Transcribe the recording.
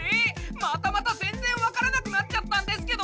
またまた全然わからなくなっちゃったんですけど！